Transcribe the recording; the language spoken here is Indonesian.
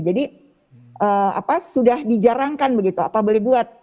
jadi apa sudah di jarangkan begitu apa boleh buat